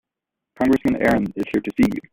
Congressman Aaron is here to see you.